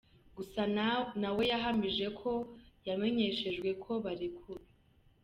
Gusa nawe yahamije ko yamenyeshejwe ko barekuwe.